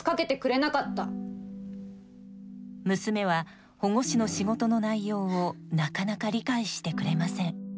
娘は保護司の仕事の内容をなかなか理解してくれません。